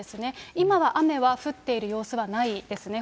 今は雨は降っている様子はないですね。